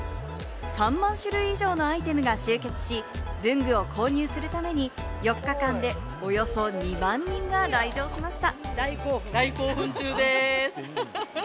３万種類以上のアイテムが集結し、文具を購入するために４日間でおよそ２万人が来場しました。